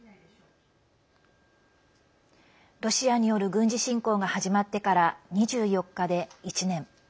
ロシアによる軍事侵攻が始まってから２４日で１年。